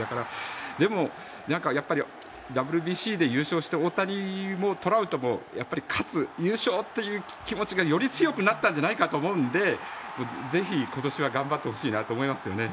でも、ＷＢＣで優勝して大谷もトラウトもやっぱり勝つ優勝という気持ちがより強くなったんじゃないかと思うのでぜひ今年は頑張ってほしいなと思いますね。